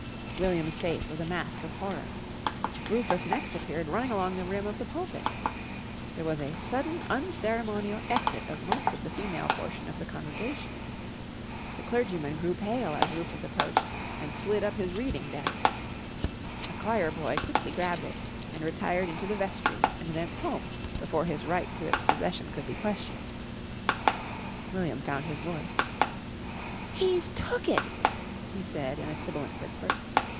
William's face was a mask of horror. Rufus next appeared running along the rim of the pulpit. There was a sudden unceremonial exit of most of the female portion of the congregation. The clergyman grew pale as Rufus approached and slid up his reading desk. A choir boy quickly grabbed it, and retired into the vestry and thence home before his right to its possession could be questioned. William found his voice. "He's took it," he said in a sibilant whisper.